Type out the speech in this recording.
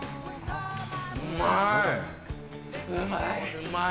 うまい。